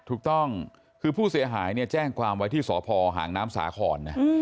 ถูกต้องคือผู้เสียหายเนี่ยแจ้งความไว้ที่สพหางน้ำสาครนะ